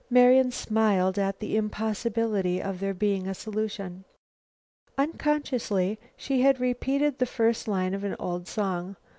Marian smiled at the impossibility of there being a solution. Unconsciously, she had repeated the first line of an old song.